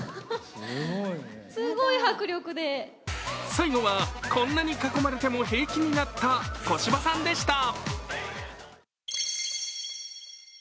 最後はこんなに囲まれても兵器になった小芝さんでした。